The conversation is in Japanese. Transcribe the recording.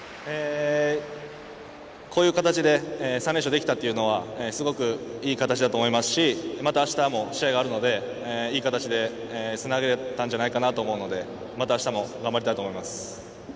こういう形で３連勝できたのはすごくいい形だと思いますしまたあしたも試合があるのでいい形でつなげたんじゃないかと思うのでまたあしたも頑張りたいと思います。